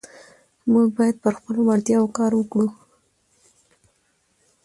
موږ باید پر خپلو وړتیاوو کار وکړو